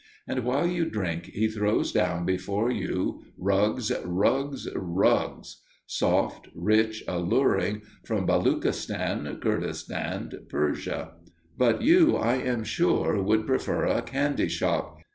And while you drink, he throws down before you rugs, rugs, rugs, soft, rich, alluring, from Baluchistan, Kurdistan, Persia. But you, I am sure, would prefer a candy shop.